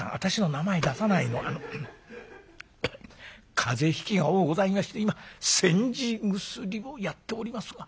風邪ひきが多ございまして今煎じ薬をやっておりますが」。